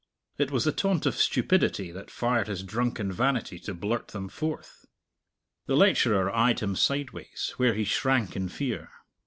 It was the taunt of stupidity that fired his drunken vanity to blurt them forth. The lecturer eyed him sideways where he shrank in fear.